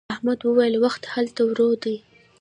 احمد وويل: وخت هلته ورو دی.